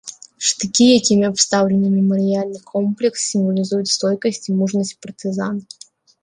Штыкі, якімі абстаўлены мемарыяльны комплекс, сімвалізуюць стойкасць і мужнасць партызан.